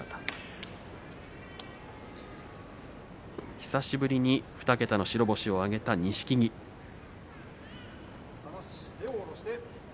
久しぶりに２桁の白星を挙げた錦木です。